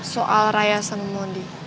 soal raya sama modi